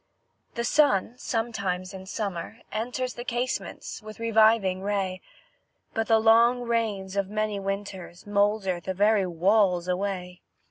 The sun, sometimes in summer, enters The casements, with reviving ray; But the long rains of many winters Moulder the very walls away.